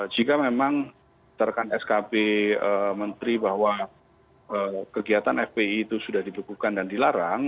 jika memang terkan skb menteri bahwa kegiatan fpi itu sudah dibekukan dan dilarang